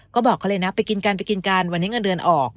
ก็บอกเขาไปกินกันวันนี้เงินเดือนออก